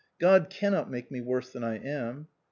God cannot make me worse than I am.